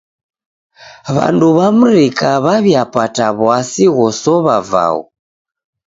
W'andu w'a mrika w'aw'iapata w'asi ghosow'a vaghu.